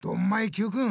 Ｑくん！